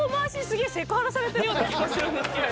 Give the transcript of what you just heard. されてるような気がするんですけど。